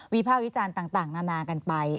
ภาควิจารณ์ต่างนานากันไป